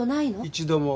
一度も。